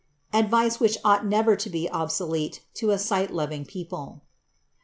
Advice which ought never to be obsolete to a sight loving people.